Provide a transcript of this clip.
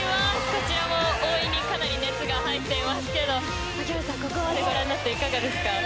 こちらも応援にかなり熱が入っていますけれどもここまでご覧になっていかがですか？